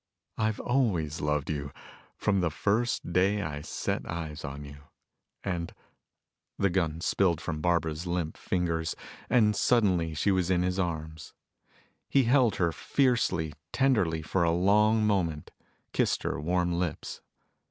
I've always loved you from the first day I set eyes on you. And " The gun spilled from Barbara's limp fingers, and suddenly she was in his arms. He held her fiercely, tenderly for a long moment, kissed her warm lips.